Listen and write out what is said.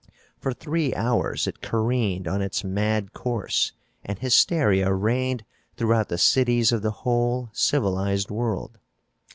For three hours it careened on its mad course and hysteria reigned throughout the cities of the whole civilized world.